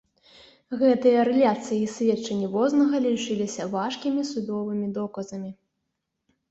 Гэтыя рэляцыі і сведчанні вознага лічыліся важкімі судовымі доказамі.